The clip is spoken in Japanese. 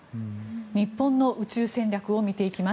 日本の宇宙戦略を見ていきます。